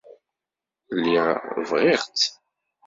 Lliɣ bɣiɣ-tt.